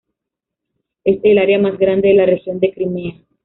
Es el área más grande de la región de Crimea.